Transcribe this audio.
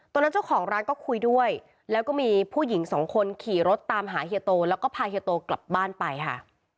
เจ้าของร้านก็คุยด้วยแล้วก็มีผู้หญิงสองคนขี่รถตามหาเฮียโตแล้วก็พาเฮียโตกลับบ้านไปค่ะ